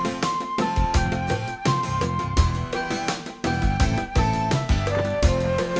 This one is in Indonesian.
sampai jumpa di video selanjutnya